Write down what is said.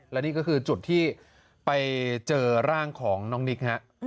และนี่ก็คือจุดที่ไปเจอร่างของน้องนิกฮะ